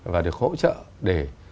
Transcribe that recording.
và được hỗ trợ để